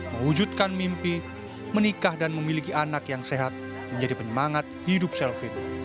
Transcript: mewujudkan mimpi menikah dan memiliki anak yang sehat menjadi penyemangat hidup selvin